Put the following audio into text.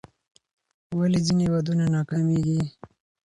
ولې ځینې ودونه ناکامیږي؟